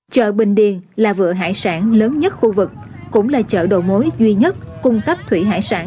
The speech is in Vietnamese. chợ bình điền là vựa hải sản lớn nhất khu vực cũng là chợ đầu mối duy nhất cung cấp thủy hải sản